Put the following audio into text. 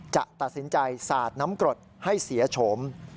จะตัดสินใจสาดน้ำกรดให้เสียโฉม